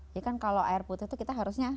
kan kalau air putih itu kita harusnya